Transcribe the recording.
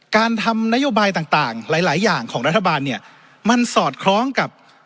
การทำนโยบายต่างหลายอย่างของรัฐบาลเนี่ยมันสอดคล้องกับ